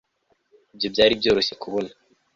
ibyo byari byoroshye kubona